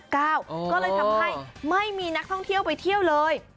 ก็เลยทำให้ไม่มีนักท่องเที่ยวไปเที่ยวเลย